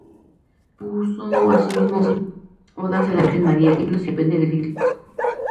Compuso asimismo odas a la Virgen María, himnos y panegíricos.